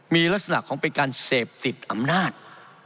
มีลักษณะของเป็นการเสพติดอำนาจ